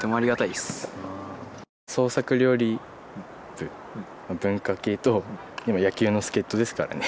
創作料理部文化系と今野球の助っ人ですからね。